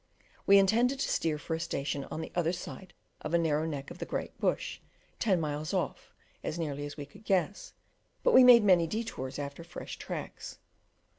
We intended to steer for a station on the other side of a narrow neck of the Great Bush, ten miles off, as nearly as we could guess, but we made many detours after fresh tracks.